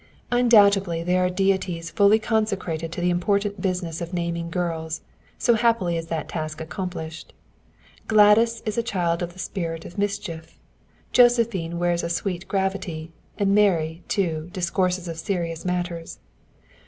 Undoubtedly there are deities fully consecrated to the important business of naming girls, so happily is that task accomplished. Gladys is a child of the spirit of mischief. Josephine wears a sweet gravity, and Mary, too, discourses of serious matters.